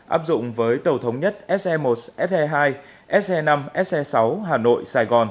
áp dụng với tàu thống nhất se một se hai se năm se sáu hà nội